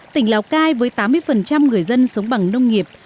tỉnh lào cai với tám mươi người dân sống bằng nông nghiệp